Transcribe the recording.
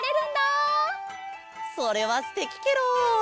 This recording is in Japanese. それはすてきケロ！